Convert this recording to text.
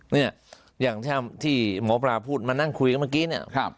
เนี่ยอย่างที่หมอปลาพูดมานั่งคุยกันเมื่อกี้เนี่ย